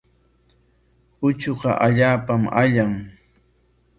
Uchuqa allaapam ayan.